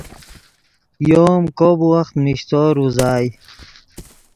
یو ام کوب وخت میشتور اوزائے